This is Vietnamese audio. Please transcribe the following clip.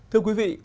thưa quý vị